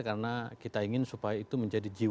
karena kita ingin supaya itu menjadi jiwa dan ruh